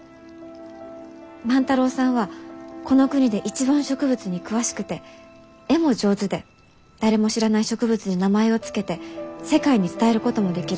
万太郎さんはこの国で一番植物に詳しくて絵も上手で誰も知らない植物に名前を付けて世界に伝えることもできる。